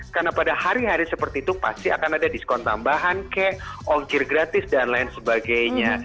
karena pada hari hari seperti itu pasti akan ada diskon tambahan kek ongkir gratis dan lain sebagainya